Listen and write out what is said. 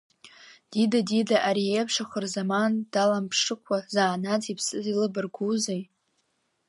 Дида, дида, ари еиԥш ахырзаман даламԥшыкуа заанаҵ иԥсыз илыбаргуузеи?